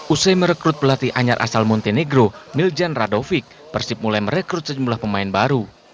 usai merekrut pelatih anyar asal montenegro miljan radovic persib mulai merekrut sejumlah pemain baru